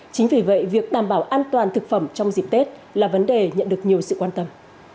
chính vì vậy việc đảm bảo an toàn thực phẩm trong dịp tết là vấn đề nhận được nhiều sự quan tâm